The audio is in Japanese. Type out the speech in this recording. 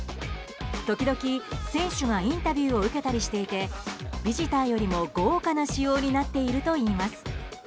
時々、選手がインタビューを受けたりしていてビジターよりも豪華な仕様になっているといいます。